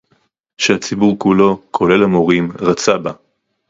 שהציבור כולו, כולל המורים, רצה בה